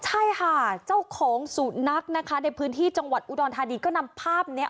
ใช่ค่ะเจ้าของสุนัขนะคะในพื้นที่จังหวัดอุดรธานีก็นำภาพนี้